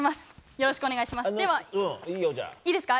よろしくお願いします。